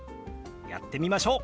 やってみましょう。